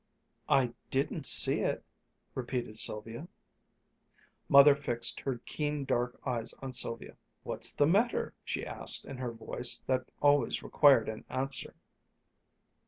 "I didn't see it," repeated Sylvia. Mother fixed her keen dark eyes on Sylvia. "What's the matter?" she asked in her voice that always required an answer.